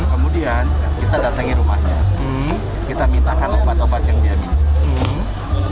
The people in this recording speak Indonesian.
kemudian kita datangi rumahnya kita minta anak anak obat obat yang dia minum